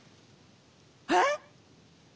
えっ！？